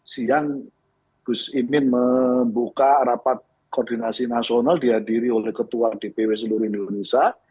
siang gus imin membuka rapat koordinasi nasional dihadiri oleh ketua dpw seluruh indonesia